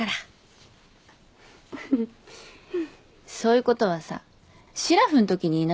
そういうことはさしらふのときに言いなさいよ。